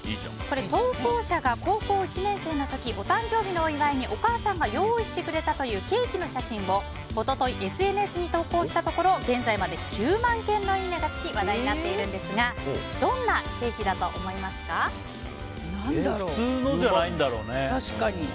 これ、投稿者が高校１年生の時お誕生日のお祝いにお母さんが用意してくれたというケーキの写真を一昨日、ＳＮＳに投稿したところ現在までに９万件のいいねがつき話題になっているんですが普通のじゃないんだろうね。